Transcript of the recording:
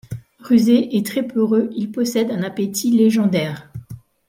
Rusé et très peureux, il possède un appétit légendaire.